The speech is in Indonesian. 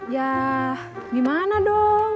yah gimana dong